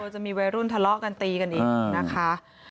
จะมีวัยรุ่นทะเลาะกันตีกันอีกนะคะ